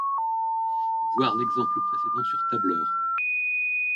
Voir l'exemple précédent sur tableur.